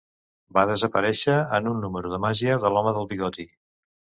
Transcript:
Va desaparèixer en un número de màgia de l'home del bigoti.